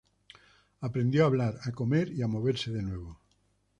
Aprendió a hablar, a comer y a moverse de nuevo.